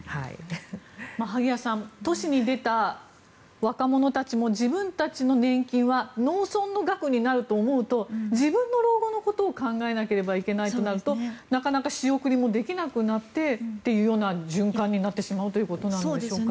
萩谷さん都市に出た若者たちも自分たちの年金は農村の額になると思うと自分の老後のことを考えなければいけないとなるとなかなか仕送りもできなくなってというような循環になってしまうということなんでしょうか。